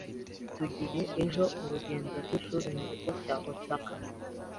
Tugiye ejo urugendo rwishuri mu kigo cya Osaka.